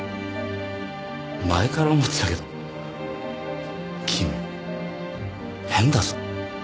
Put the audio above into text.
前から思ってたけど君変だぞ。